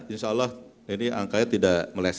insyaallah ini angkanya tidak meleset jauh